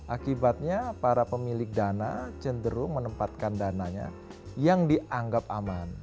akibatnya para pemilik dana cenderung menempatkan dananya yang dianggap aman